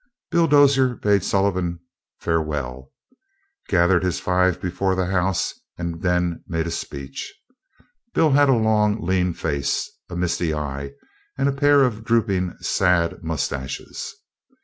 Bill Dozier bade Sullivan farewell, gathered his five before the house, and made them a speech. Bill had a long, lean face, a misty eye, and a pair of drooping, sad mustaches.